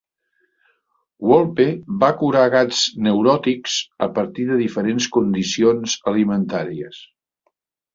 Wolpe va curar gats neuròtics a partir de diferents condicions alimentàries.